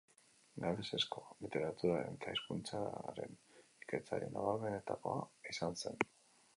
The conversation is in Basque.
Galesezko literaturaren eta hizkuntzaren ikertzaile nabarmenetakoa izan zen.